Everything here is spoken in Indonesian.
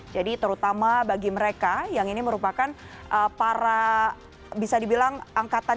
jadi terutama bagi mereka yang ini merupakan para bisa dibilang angkatan kerjaan